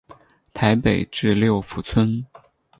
台北至六福村。